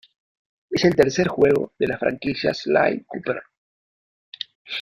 Es el tercer juego de la franquicia Sly Cooper.